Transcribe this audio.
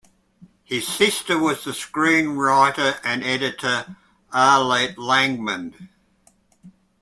His sister was the screenwriter and editor Arlette Langmann.